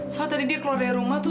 soalnya dia keluar dari rumah tuh